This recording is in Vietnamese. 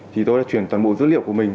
thì tôi đã chuyển toàn bộ dữ liệu của mình